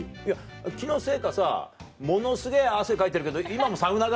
気のせいかさものすげぇ汗かいてるけど今もサウナ帰り？